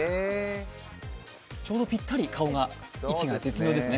ちょうどぴったり、顔が位置が絶妙ですね。